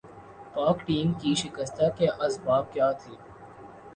پاک ٹیم کے شکستہ کے اسباب کیا تھے